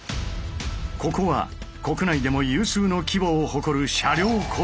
ここは国内でも有数の規模を誇る車両工場。